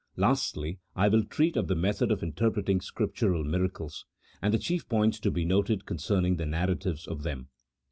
Lastly, I will treat of the method of interpreting Scriptural miracles, and the chief points to be noted con cerning the narratives of them.